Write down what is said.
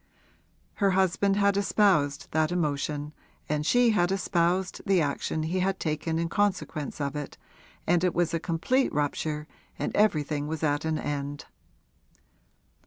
Her husband had espoused that emotion and she had espoused the action he had taken in consequence of it, and it was a complete rupture and everything was at an end.